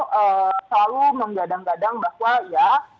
selalu menggadang gadang bahwa ya